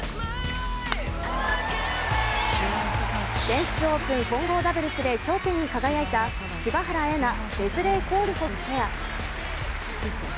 全仏オープン混合ダブルスで頂点に輝いた柴原瑛菜・ウェズレイ・コールホフペア。